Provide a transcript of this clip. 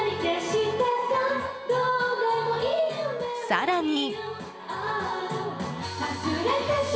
更に。